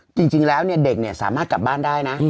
จริงแล้วเนี่ยเด็กเนี่ยสามารถกลับบ้านได้นะ